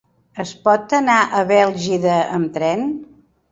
Es pot anar a Bèlgida amb tren?